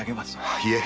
いえ